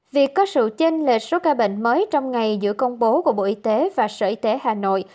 việc có sự chênh lệch số ca bệnh mới trong ngày giữa công bố của bộ y tế và sở y tế hà nội